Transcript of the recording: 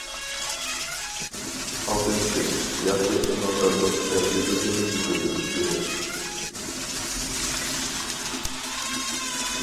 ئالتىنچى، ياخشى ئەمەلدارلىق پەزىلىتىنى يېتىلدۈرۈش كېرەك.